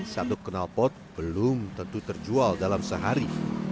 satu kenalpot belum tentu terjual dalam sehari